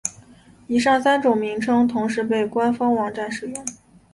以上三种名称同时被官方网站使用。